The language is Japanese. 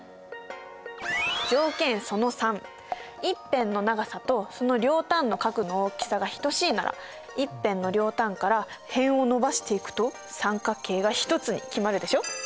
１辺の長さとその両端の角の大きさが等しいなら１辺の両端から辺を伸ばしていくと三角形が一つに決まるでしょ。